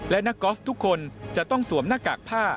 และนักกอล์ฟทุกคนจะต้องสวมหน้ากากผ้า